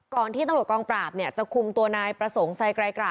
ก่อนที่ตำรวจกองปราบเนี่ยจะคุมตัวนายประสงค์ใส่ไกล่กระ